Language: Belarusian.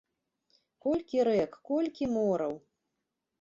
Колькі рэк, колькі мораў!